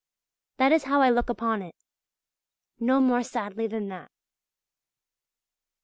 That is how I look upon it no more sadly than that.